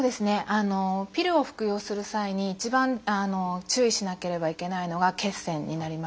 ピルを服用する際に一番注意しなければいけないのが血栓になります。